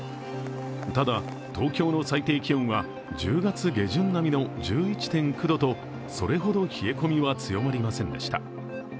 ただ、東京の最低気温は１０月下旬並みの１１．９度とそれほど冷え込みは強まりませんでした。